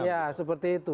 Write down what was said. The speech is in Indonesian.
ya seperti itu